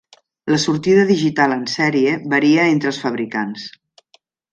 La sortida digital en sèrie varia entre els fabricants.